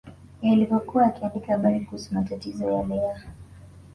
yalivyokuwa yakiandika habari kuhusu matatizo yale ya